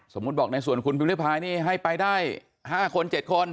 บอกในส่วนคุณพิมริพายนี่ให้ไปได้๕คน๗คน